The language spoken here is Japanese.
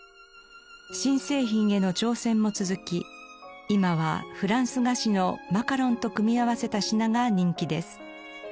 新製品への挑戦も続き今はフランス菓子のマカロンと組み合わせた品が人気です。